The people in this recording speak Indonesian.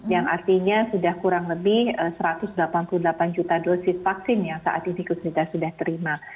yang artinya sudah kurang lebih satu ratus delapan puluh delapan juta dosis vaksin yang saat ini kita sudah terima